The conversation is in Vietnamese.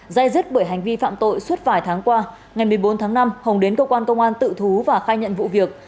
dây dứt bởi hành vi phạm tội suốt vài tháng qua ngày một mươi bốn tháng năm hồng đến cơ quan công an tự thú và khai nhận vụ việc